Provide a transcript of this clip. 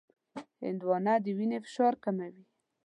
هندوانه د وینې فشار کموي.